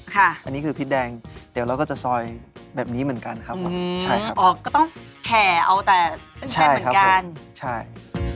ค่ะนี่คือพิกแดงเดี๋ยวแล้วก็จะซอยแบบนี้เหมือนกันครับใช่ครับค่ะม